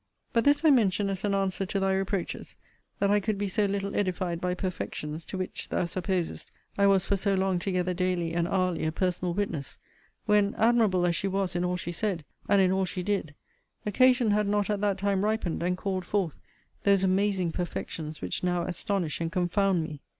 But this I mention as an answer to thy reproaches, that I could be so little edified by perfections, to which, thou supposest, I was for so long together daily and hourly a personal witness when, admirable as she was in all she said, and in all she did, occasion had not at that time ripened, and called forth, those amazing perfections which now astonish and confound me.